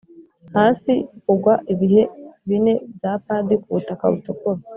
hasi kugwa ibihe bine bya padi kubutaka butukura,